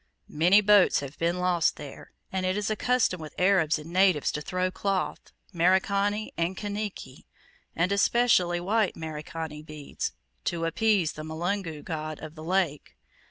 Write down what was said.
Many boats have been lost there, and it is a custom with Arabs and natives to throw cloth Merikani and Kaniki and especially white (Merikani) beads, to appease the mulungu (god) of the lake.